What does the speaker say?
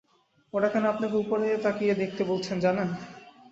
ওরা কেন আপনাকে উপরে তাকিয়ে দেখতে বলছেন জানেন?